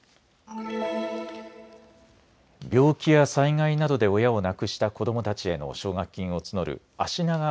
病気や災害などで親を亡くした子どもたちへの奨学金を募るあしなが